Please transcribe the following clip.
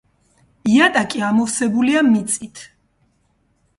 იატაკი ამოვსებულია მიწით.